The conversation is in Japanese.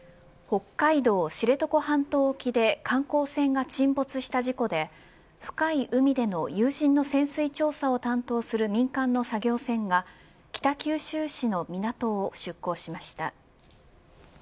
北海道、知床半島沖で観光船が沈没した事故で深い海での有人の潜水調査を担当する民間の作業船が北九州市の港を出港しました。